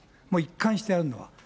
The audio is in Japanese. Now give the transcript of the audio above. もう一貫してあるのは。